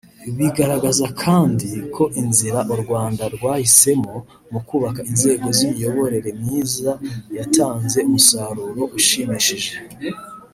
Bigaragaza kandi ko inzira u Rwanda rwahisemo mu kubaka inzego z’imiyoborere myiza yatanze umusaruro ushimishije